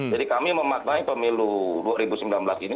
jadi kami mematuhi pemilu dua ribu sembilan belas ini